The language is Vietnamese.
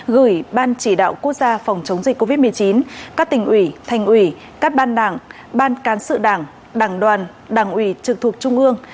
gửi ban chỉ đạo quốc gia phòng chống dịch covid một mươi chín các tỉnh ủy thành ủy các ban đảng ban cán sự đảng đảng đoàn đảng ủy trực thuộc trung ương